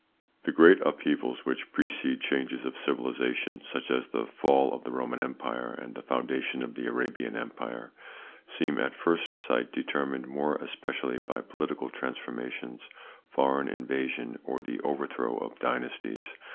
The great upheavals which precede changes of civilisations such as the fall of the Roman Empire and the foundation of the Arabian Empire, seem at first sight determined more especially by political transformations, foreign invasion, or the overthrow of dynasties.